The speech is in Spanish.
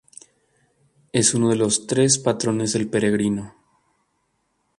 Es uno de los tres patrones del peregrino.